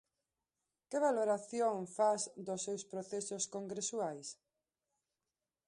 Que valoración fas dos seus procesos congresuais?